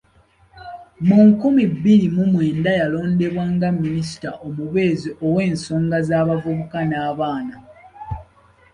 Mu nkumi bbiri mu mwenda yalondebwa nga minisita omubeezi ow’ensonga z’abavubuka n’abaana.